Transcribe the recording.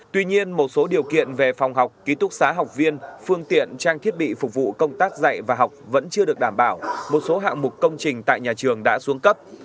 tuy nhiên một số điều kiện về phòng học ký túc xá học viên phương tiện trang thiết bị phục vụ công tác dạy và học vẫn chưa được đảm bảo một số hạng mục công trình tại nhà trường đã xuống cấp